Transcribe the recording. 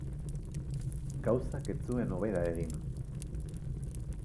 Gauzak ez zuen hobera egin.